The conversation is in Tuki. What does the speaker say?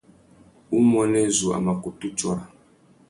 Umuênê zu a mà kutu tsôra.